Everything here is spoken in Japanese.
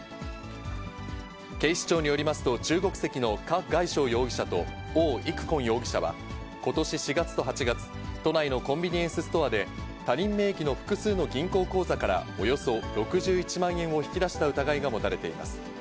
警視庁によりますと、中国籍の何凱捷容疑者と王育坤容疑者は、ことし４月と８月、都内のコンビニエンスストアで、他人名義の複数の銀行口座からおよそ６１万円を引き出した疑いが持たれています。